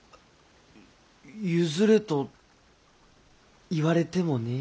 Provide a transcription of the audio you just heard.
譲れと言われてもねえ。